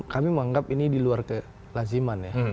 kami menganggap ini di luar kelaziman ya